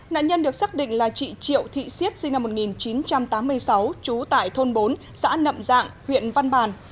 nạn nhân được xác định là chị triệu thị siết sinh năm một nghìn chín trăm tám mươi sáu trú tại thôn bốn xã nậm dạng huyện văn bàn